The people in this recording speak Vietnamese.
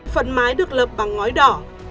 phần mái được lập bằng ngói đỏ